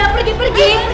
udah pergi kamu dari sini